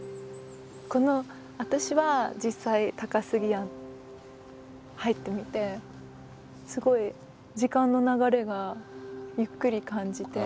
私は実際「高過庵」入ってみてすごい時間の流れがゆっくり感じて。